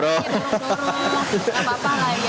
gak apa apa lah ya